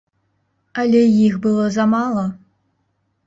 Але іх было замала.